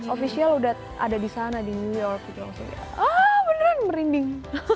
official udah ada disana di new york gitu langsung ya beneran merinding